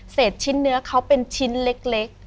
ชิ้นเนื้อเขาเป็นชิ้นเล็ก